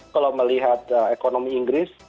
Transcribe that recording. kalau melihat ekonomi inggris